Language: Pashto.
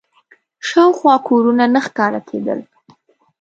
شاوخوا کورونه نه ښکاره کېدل.